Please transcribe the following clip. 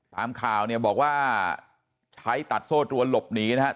ตามข่าวเนี่ยบอกว่าใช้ตัดโซ่ตรวนหลบหนีนะครับ